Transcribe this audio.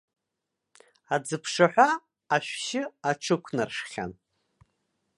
Аӡыԥшаҳәа ашәшьы аҽықәнаршәхьан.